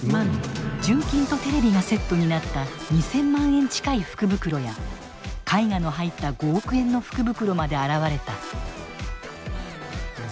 純金とテレビがセットになった２，０００万円近い福袋や絵画の入った５億円の福袋まで現れた。